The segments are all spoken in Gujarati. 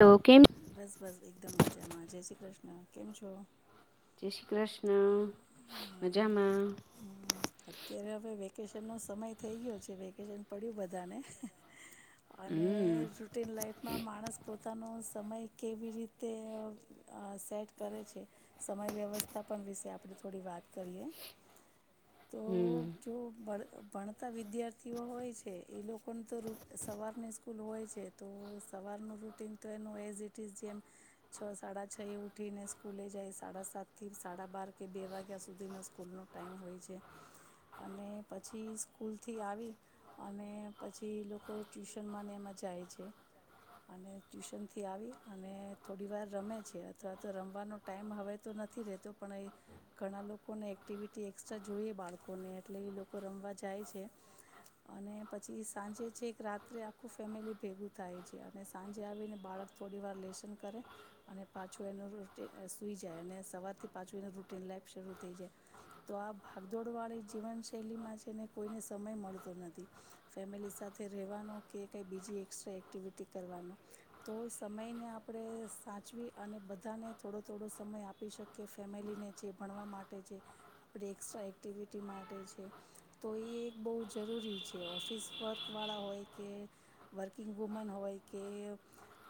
તો કેમ બસ બસ એકદમ મજામાં જ છે. કેમ છો? જય શ્રી કૃષ્ણ, મજામાં. હ અત્યારે હવે વેકેશન નો સમય થઈ ગયો છે વેકેશન પડ્યું બધાને. અને હમ રુટિન લાઈફમાં માણસ પોતાનું સમય કેવી રીતે સેટ કરે છે સમય વ્યવસ્થાપન વિશે આપણે થોડી વાત કરીએ. તો હમ જો બળ ભણતા વિદ્યાર્થીઓ હોય છે એ લોકોને તો સવારની સ્કૂલ હોય છે તો સવારનું રૂટીન તો એનું એઝ ઇટ ઇઝ જેમ છ સાડા છ એ ઉઠીને સ્કૂલે જાય સાડા સાત થી સાડા બાર કે બે વાગ્યા સુધીનો સ્કૂલનો ટાઈમ હોય છે. અને પછી સ્કૂલથી આવી અને પછી લોકો ટ્યુશનમાંને એમાં જાય છે અને ટ્યુશનથી આવી અને થોડી વાર રમે છે અથવા તો રમવાનો ટાઈમ હવે તો નથી રહેતો પણ એ ઘણા લોકોને એક્ટિવિટી જોઈએ બાળકોને એટલે એ લોકો રમવા જાય છે અને પછી સાંજે છે એક રાત્રે આખું ફેમિલી ભેગું થાય છે અને સાંજે આવીને બાળક થોડી વાર લેસન કરે અને પાછું એનું રૂટ સુઈ જાય અને સવારથી પાછું એનું રૂટીન લાઈફ શરૂ થઈ જાય. તો આ ભાગદોડવાળી જીવનશૈલીમાં છે ને કોઈને સમય મળતો નથી ફેમિલી સાથે રહેવાનો કે કંઈ બીજી એકસ્ટ્રા એક્ટિવિટી કરવાનો તો સમયને આપણે સાચવી અને બધાને થોડો થોડો સમય આપી શકીએ ફેમિલીને જે ભણવા માટે જે આપણે એસ્ટ્રા એક્ટિવિટી માટે છે તો એ એક બહુ જરૂરી છે ઓફિસ વર્કવાળા હોય કે વર્કિંગ વુમન હોય કે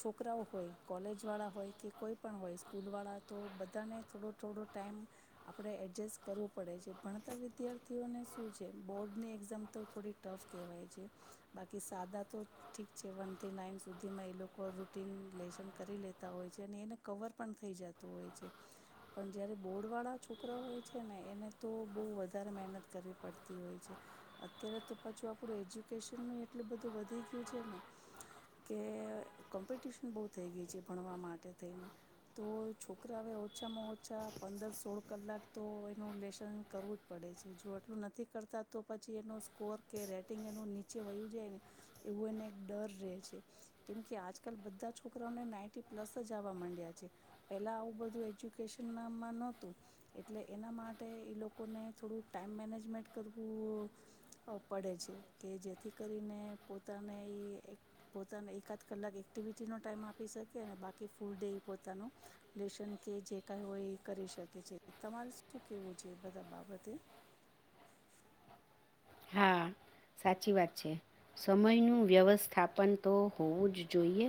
છોકરાઓ હોય કોલેજવાળા હોય કે કોઈ પણ હોય સ્કૂલવાળા તો બધાને થોડો થોડો ટાઈમ આપણે એડજસ્ટ કરવું પડે છે ભણતા વિદ્યાર્થીઓને શું છે બોર્ડની એક્ઝામ તો થોડી ટફ કહેવાય છે બાકી સાદા તો ઠીક છે વનથી નાઈન સુધીમાં એ લોકો રૂટીન લેશન કરી લેતા હોય છે અને એને કવર પણ થઈ જતું હોય છે પણ જય્યારે બોર્ડવાળા છોકરા હોય. છે ને એને તો બહુ વધારે મહેનત કરવી પડતી હોય છે અત્યારે તો પાછું આપણું એજ્યુકેશનનું એટલું બધું વધી ગયું છે ને કે કોમ્પિટિશન બહુ થઈ ગઈ છે ભણવા માટે થઈને તો છોકરા હવે ઓછામાં ઓછા પંદર સોળ કલાક તો એનું લેશન કરવું જ પડે છે જો આટલું નથી કરતા તો પછી એનો સ્કોર કે રેટિંગ એનું નીચે વય્યું જાય ને એવું એને એક ડર રહે છે કેમકે આજકાલ બધા છોકરાઓને નાઈન્ટી પ્લસ જ આવવા માંડ્યા છે પેલા આવું બધું એજ્યુકેશન નામાં નહોતું. એટલે એના માટે એ લોકોને થોડું ટાઈઇમ મેનેજમેન્ટ કરવું પડે છે કે જેથી કરીને પોતાને એ એક પોતાને એકાદ કલાક એક્ટિવિટીનો ટાઈમ આપી શકે અને બાકી ફૂલ ડે એ પોતાનું લેશન કે જે કાંઈ હોય એ કરી શકે છે. તમારે શું કેવું છે એ બધા બાબતે. હા સાચી વાત છે સમયનું વ્યવસ્થાપન તો હોવું જ જોઈએ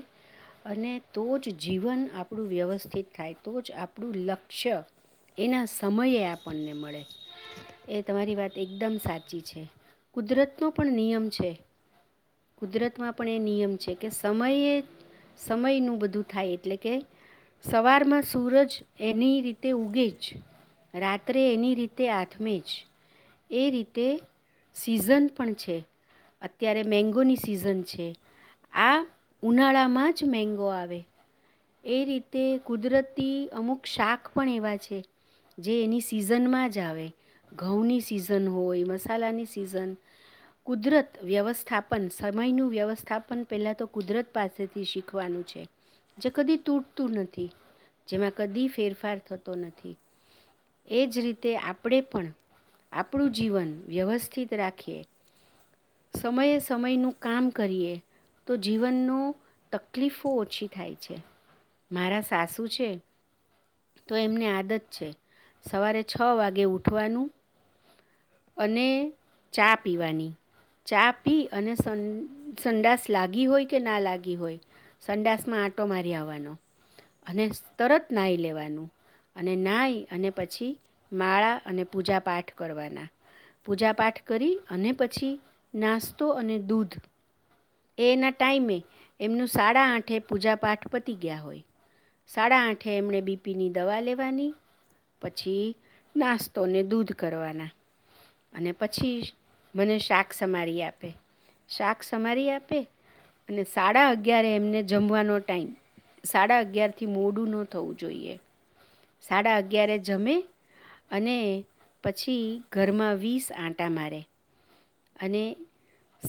અને તો જ જીવન આપણું વ્યવસ્થિત થાય તો જ આપણું લક્ષ્ય એના સમયે આપણને મળે એ તમારી વાત એકદમ સાચી છે. કુદરતનો પણ નિયમ છે કુદરતમાં પણ એ નિયમ છે કે સમયે સમયનું બધું થાય એટલે કે સવારમાં સૂરજ એની રીતે ઉગે જ રાત્રે એની રીતે હાથમે જ એ રીતે. સિઝન પણ છે અત્યારે મેંગોની સિઝન છે આ ઉનાળામાં જ મેગો આવે એ રીતે કુદરતી અમુક શાક પણ એવા છે જે એની સિઝનમાં જ આવે ઘઉંની સિઝન હોય મસા. શાલાની સિઝન કુદરત વ્યવસ્થાપન સમયનું વ્યવસ્થાપન પહેલાં તો કુદરત પાસેથી શીખવાનું છે, જે કદી તૂટતું નથી જેમાં કદી ફેરફાર થતો નથી, એ જ રીતે આપણે પણ આપણું જીવન વ્યવસ્થિત રાખીએ. સમયે સમયનું કામ કરીએ, તો જીવનનો તકલીફો ઓછી થાય છે. મારા સાસુ છે તો એમને આદત છે સવારે છ વાગે ઉઠવાનું, અને ચા પીવાની, ચા પી અને સંડાસ લાગી હોય કે ના લાગી હોય સંડાસમાં આંટો મારી આવવાનો અને તરત નાઈ લેવાનું અને નાઈ અને પછી માળા અને પૂજા પાઠ કરવાના. પૂજા પાઠ કરી અને પછી નાસ્તો અને દૂધ. એના ટાઈમે એમનું સાડા આઠે પૂજા પાઠ પતી ગયા હોય, સાડા આઠે એમણે બીપીની દવા લેવાની પછી, નાસ્તોને દૂધ કરવાના. અને પછી મને શાક સમારી આપે, શાક સમારી આપે અને સાડા અગિયાર એમને જમવાનો ટાઈમ. સાડા અગિયારથી મોડું ન થવું જોઈએ. સાડા અગિયાર જમે અને પછી ઘરમાં વીસ આંટા મારે. અને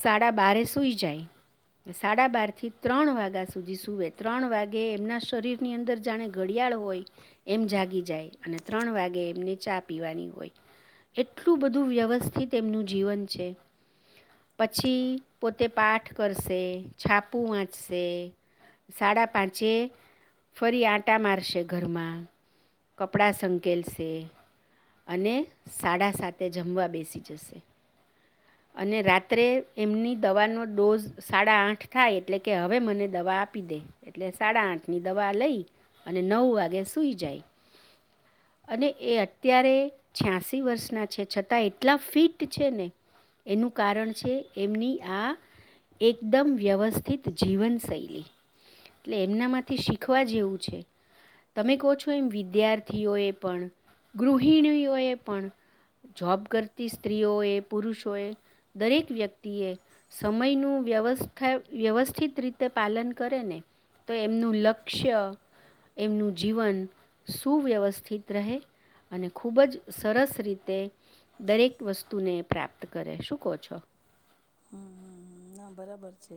સાડા બારે સુઈ જાય, સાડા બાર થી ત્રણ વાગ્યા સુધી સુવે, ત્રણ વાગે એમના શરીરની અંદર જાણે ઘડિયાળ હોય એમ જાગી જાય અને ત્રણ વાગે એમને ચા પીવાની હોય એટલું બધું વ્યવસ્થિત એમનું જીવન છે. પછી પોતે પાઠ કરશે, છાપુ વાંચશે, સાડા પાંચે ફરી આંટા મારશે, ઘરમાં કપડા સંકેલશે અને સાડા સાતે જમવા બેસી જશે અને રાત્રે એમની દવાનો ડોઝ સાડા આઠ થાય એટલે કે હવે મને દવા આપી દે એટલે સાડા આઠ ની દવા લઈ અને નવ વાગે સુઈ જાય. અને એ અત્યારે છ્યાસી વર્ષના છે, છતાં એટલા ફિટ છે ને એનું કારણ છે એમની આ એકદમ વ્યવસ્થિત જીવન શૈલી એટલે એમના માંથી શીખવા જેવું છે. તમે કહો છો એમ વિદ્યાર્થીઓએ પણ ગૃહિણીઓએ પણ જોબ કરતી સ્ત્રીઓએ, પુરુષોએ, દરેક વ્યક્તિએ સમયનું વ્યવસ્થા વ્યવસ્થિત રીતે પાલન કરે ને તો એમનું લક્ષ્ય એમનું જીવન. સુવ્યવસ્થિત રહે અને ખૂબ જ સરસ રીતે દરેક વસ્તુને પ્રાપ્ત કરે. શું કહ છો? હમ. ના. બરાબર છે,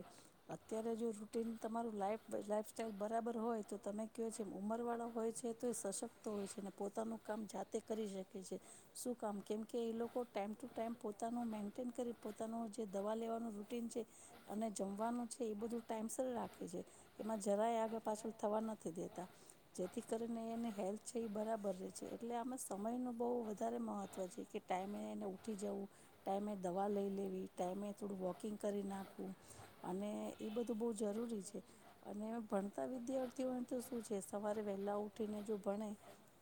અત્યારે જો રૂટીન તમારું લાઈફ લાઈફ સ્ટાઈલ બરાબર હોય તો તમે કયો છો એમ ઉંમર વાળા હોય છે, તો એ સશક્ત હોય છે, પોતાનું કામ જાતે કરી શકે છે, શું કામ કેમકે એ લોકો ટાઈમ ટુ ટાઈમ પોતાનું મેન્ટેન કરી પોતાનું જે દવા લેવાનું રૂટીન છે અને જમવાનું છે એ બધું ટાઈમસર રાખે છે, એમાં જરાય આગળ પાછળ થવા નથી દેતા જેથી કરીને એની હેલ્થ છે, એ બરાબર રહે છે એટલે આમાં સમયનું બહુ વધારે મહત્ત્વ છે, કે ટાઈમે એને ઉઊઠી જવું ટાઈમે દવા લઈ લેવી ટાઈમે થોડું વોકિંગ કરી નાખવું અને એ બધું બહુ જરૂરી છે અને ભણતા વિદ્યાર્થીઓને તો શું છે સવારે વહેલા ઉઠીને જો ભણે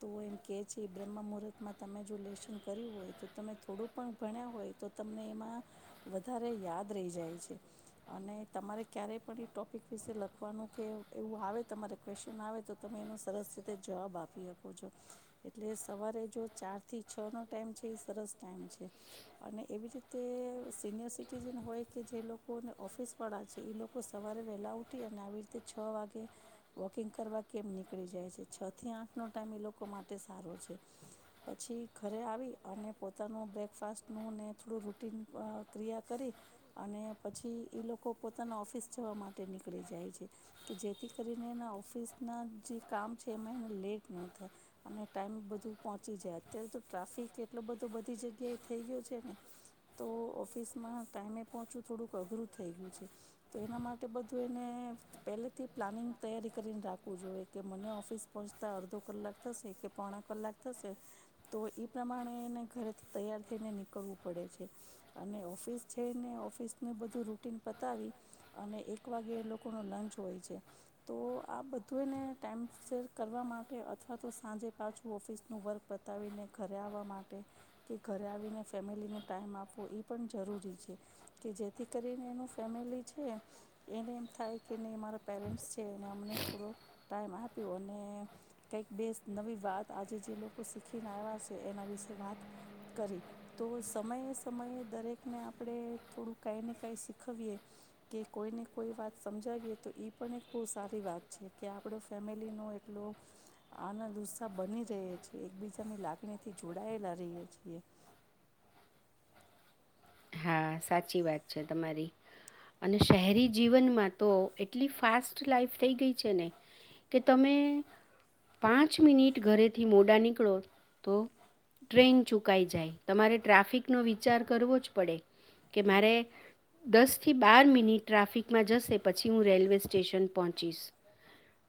તો એમ કહે છે બ્રહ્મમુહૂર્તમાં તમે જો લેશન કર્યું હોય, તો તમે થોડું પણ ભણ્યા હોય તો તમને એમાં વધારે યાદ રહી જાય છે અને તમારે ક્યારેય પણ એ ટોપિક વિશે લખવાનું કે એવું આવે તમારે ક્વેશ્ચન આવે તો તમે એનો સરસ રીતે જવાબ આપી શકો છો એટલે સવારે જો ચારથી છનો ટાઈમ છે એ સરસ ટાઈમ છે અને એવી રીતે સિનિયર સિટીઝન હોય કે જે લોકોને ઓફિસ વાળા છે એ લોકો સવારે વહેલા ઉઠી અને આવી રીતે છ વાગે વોકિંગ કરવા કેમ નીકળી જાય છે. જે છ થી આઠનો ટાઈમ એ લોકો માટે સારો છે, પછી ઘરે આવી અને પોતાનું બ્રેકફાસ્ટનું ને થોડું રૂટીન ક્રિયા કરી અને પછી એ લોકો પોતાના ઓફિસ જવા માટે નીકળી જાય છે, કે જેથી કરીને એના ઓફિસના જે કામ છે તેમાં એને લેટ ન થાય અને ટાઈમ બધું પહોંચી જાય, અત્યારે તો ટ્રાફિક એટલો બધો બધી જગ્યાએ થઈ ગયો છે ને તો ઓફિસમાં ટાઈમે પહોંચવું થોડુંક અઘરું થઈ ગયું છે, તો એના માટે બધું એને પહેલેથી પ્લાનિંગ તૈયારી કરીને રાખવું જોઈએ કે મને ઓફિ ઓફિસ પહોંચતાં અડધો કલાક થશે કે પોણા કલાક થશે, તો એ પ્રમાણે એને ઘરેથી તૈયાર થઈને નીકળવું પડે છે. અને ઓફિસ જઈને ઓફિસનું બધું રૂટીન પતાવી અને એક વાગ્યે લોકોનો લંચ હોય છે, તો આ બધું એને ટાઈમ શેર કરવા માટે અથવા તો સાંજે પાછું ઓફિસનું વર્ક પતાવીને ઘરે આવવા માટે, કે ઘરે આવીને ફેમિલીને ટાઈમ આપવો, એ પણ જરૂરી છે કે, જેથી કરીને એનું ફેમિલી છે એને એમ થાય કે નહી, અમારા પેરેન્ટ્સ છે એને અમને થોડો ટાઈમ આપે અને કઈક બે નવી વાત આજે જે લોકો શીખીને આવ્યા છે એના વિશે વાત કરી તો સમયે સમયે દરેકને આપણે થોડું કાંઈ ને કાંઈ શીખવીએ કે કોઈને કોઈ વાત સમજાવીએ તો એ પણ એક બહુ સારી વાત છે, કે આપડો ફેમિલીનો એટલો આનંદ ઉસ્સાહ બની રહે છે, એકબીજાની લાગણી થી જોડાયેલા રએ છીએ. હા સાચી વાત છે, તમારી અને શહેરી જીવનમાં તો એટલી ફાસ્ટ લાાઈફ થઈ ગઈ છે, ને કે તમે પાંચ મિનિટ ઘરેથી મોડા નીકળો તો ટ્રેન ચૂકાઈ જાય, તમારે ટ્રાફિકનો વિચાર કરવો જ પડે કે હમ મારે દસથી બાર મિનિટ ટ્રાફિકમાં જશે પછી હું રેલવે સ્ટેશન પહોંચીશ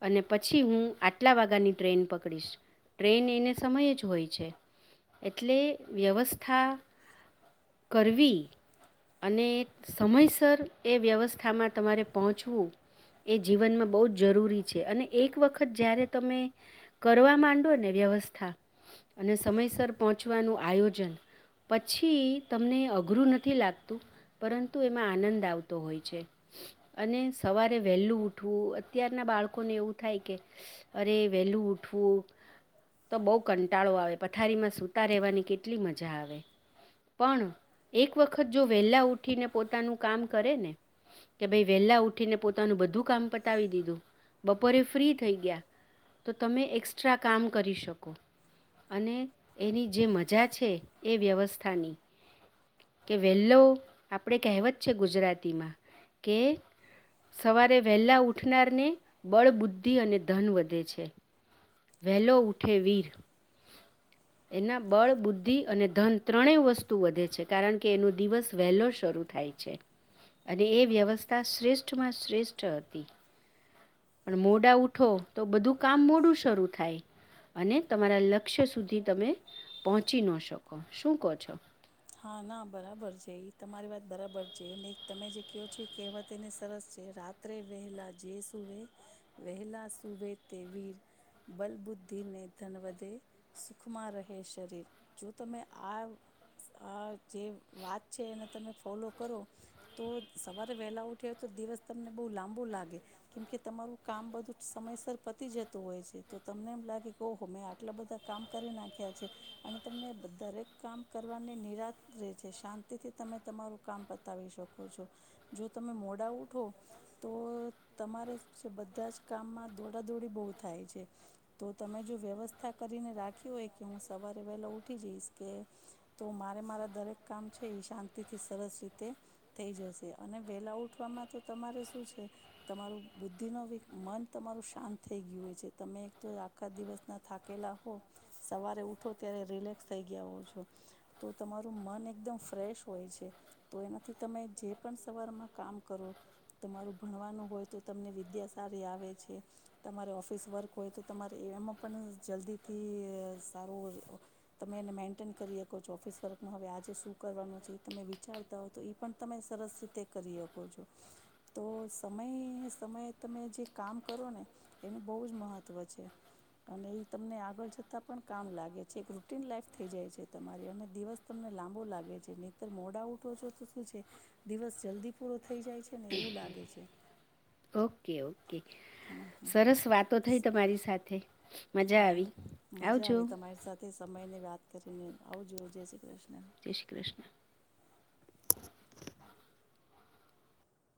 અને પછી હું આટલા વાગ્યાની ટ્રેન પકડીશ, ટ્રેન એને સમયે જ હોય છે એટલે વ્યવસ્થા કરવી અને સમયસર એ વ્યવસ્થામાં તમારે પહોંચવું એ જીવનમાં બહુ જ જરૂરી છે અને એક વખત જ્યારે તમે કરવા માંડો ને વ્યવસ્થા અને સમયસર પહોંચવાનું આયોજન પછી તમને અઘરું નથી, લાગતું પરંતુ એમાં આનંદ આવતો હોય છે અને સવારે વહેલું ઉઠવું, અત્યારના બાળકોને એવું થાય કે, અરે વહેલું ઉઠવું તો બહુ કંટાળો આવે પથારીમાં સૂતા રહેવાની કેટલી મજા આવે પણ એક વખત જો વહેલાં ઉઠીને પોતાનું કામ કરે ને કે, ભાઈ વહેલાં ઉઠીને પોતાનું બધું કામ પતાવી દીધું, બપોરે ફ્રી થઈ ગયા, તો તમે એક્સ્ટ્રા કામ કરી શકો, અને એની જે મજા છે એ વ્યવસ્થાની કે વેલો આપણે કહેવત છે, ગુજરાતીમાં કે સવારે વહેલા ઉઠનારને બળ, બુદ્ધિ અને ધન વધે છે. વહેલો ઉઠે વીર એના બળ, બુદ્ધિ અને ધન ત્રણેય વસ્તુ વધે છે, કારણ કે એનો દિવસ વહેલો શરૂ થાય છે અને એ વ્યવસ્થા શ્રેષ્ઠ માં શ્રેષ્ઠ હતી, પણ મોડા ઉઠો તો બધું કામ મોડું શરૂ થાય અને તમારા લક્ષ્ય સુધી તમે પહોંચી ન શકો, શું કહો છો? હા. ના. બરાબર છે, એ તમારી વાત બરાબર છે ને તમે જે કહો છો કહેવતને સરસ છે, રાત્રે વહેલા જે સુવે, વહેલા સુવે તે વીર, બલબુદ્ધિ ને ધન વધે, સુખમાં રહે શરીર. જો તમે આ આ જે વાત છે, એને તમે ફોલો કરો તો સવારે વહેલા ઉઠી હો તો દિવસ તમને બહુ લાંબુ લાગે કેમકે તમારું કામ બધું સમયસર પતી જતું હોય છે, તો તમને એમ લાગે કે ઓહો મેં આટલા બધા કામ કરી નાખ્યા છે અને તમને દરેક કામ કરવાની નિરાત જે છે, શાંતિથી તમે તમારું કામ પતાવી શકો છો, જો તમે મોડા ઉઠો તો તમારે બધા જ કામમાં દોડાદોડી બહુ થાય છે, તો તમે જો વ્યવસ્થા કરીને રાખી હોય કે હું સવારે વહેલો ઉઠી જઈશ કે તો મારે મારા દરેક કામ છે એ શાંતિથી સરસ રીતે થઈ જશે અને વેલા ઉઠવામાં તો તમારે શું છે, તમારું બુદ્ધિ ન મન તમારું શાંત થઈ ગયું હોય છે, તમે તો આખા દિવસના થાકેલા હો સવારે ઉઠો ત્યારે રિલેક્સ થઈ ગયા હો છો. તો તમારું મન એકદમ ફ્રેશ હોય છે તો એનાથી તમે જે પણ સવારમાં કામ કરો તમારું ભણવાનું હોય તો તમને વિદ્યા સારી આવે છે તમારે ઓફિસ વર્ક હોય તો તમારે એમાં પણ જલ્દી થી સારું તમે એને મેન્ટેન કરી [unintelligible] ઓફિસ વર્કમાં હવે આજે શું કરવાનું છે એ તમે વિચારતા હો તો એ પણ તમે સરસ રીતે કરી શકો છો તો સમય સમયે તમે જે કામ કરો ને એનું બહુ જ મહત્વ છે અને એ તમને આગળ જતા પણ કામ લાગે છે એક રૂટીન લાઈફ થઈ જાય છે. તમારી અને દિવસ તમને લાંબો લાગે છે નિતર મોડા ઉઠો છો તો શું છે દિવસ જલ્દી પૂરો થ જાય છે ને એવું લાગે છે ઓકે ઓકે હમ હમ હમ સરસ વાતો થઈ તમારી સાથે. મજા હા આવી મજા આવજો આવી તમારી સાથે સમય ની વાત કરીને આવજુ જય શ્રી કૃષ્ણ. જય શ્રી કૃષ્ણ.